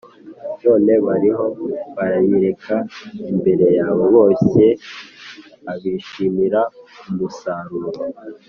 none bariho bariyereka imbere yawe, boshye abishimira umusaruro,